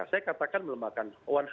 saya katakan melemahkan